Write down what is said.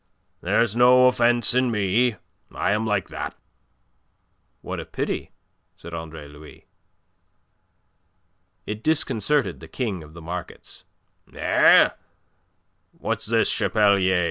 "There's no offence in me. I am like that." "What a pity," said Andre Louis. It disconcerted the king of the markets. "Eh? what's this, Chapelier?